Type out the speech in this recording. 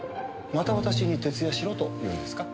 また私に徹夜しろと言うのですか？